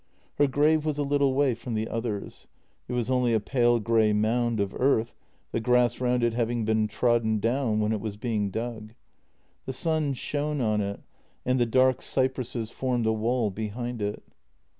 Her grave was a little way from the others; it was only a pale grey mound of earth, the grass round it having been trodden down when it was being dug. The sun shone on it and the dark cypresses formed a wall behind it.